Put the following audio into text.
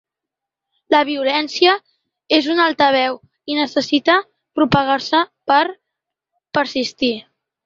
La violència és un altaveu i necessita propagar-se per persistir.